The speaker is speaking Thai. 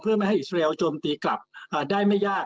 เพื่อไม่ให้อิสราเอลโจมตีกลับได้ไม่ยาก